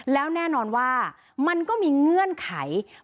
แล้วแน่นอนว่ามันก็มีเงื่อนไข